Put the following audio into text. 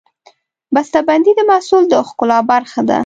بستهبندي د محصول د ښکلا برخه ده.